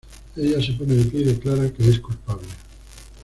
Ella se pone de pie y declara que es culpable.